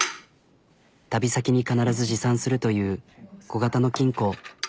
旅先に必ず持参するという小型の金庫。